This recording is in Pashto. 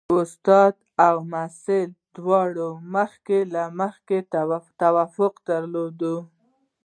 استاد او محصل دواړو مخکې له مخکې توافق درلود.